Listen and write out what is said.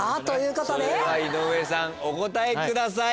それでは井上さんお答えください。